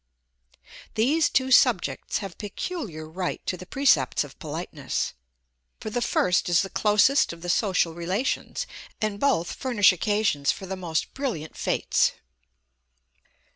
_ These two subjects have peculiar right to the precepts of politeness; for the first is the closest of the social relations, and both furnish occasions for the most brilliant fêtes.